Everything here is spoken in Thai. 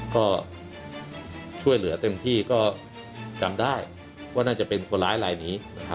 ก็ช่วยเหลือเต็มที่ก็จำได้ว่าน่าจะเป็นคนร้ายลายนี้นะครับ